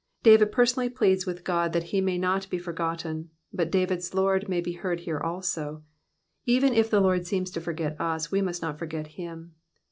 David personally pleads toiU^ Qod thai he may not he forgotten, hut David^s Lord may he heard here also. Even if the Lord seems to forget us, toe must not forget him.